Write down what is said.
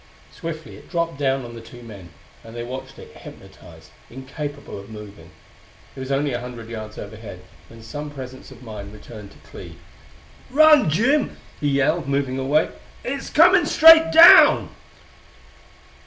Swiftly it dropped down on the two men, and they watched it hypnotized, incapable of moving. It was only a hundred yards overhead when some presence of mind returned to Clee. "Run, Jim!" he yelled, moving away. "It's coming straight down!"